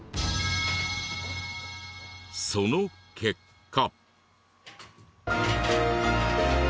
その結果。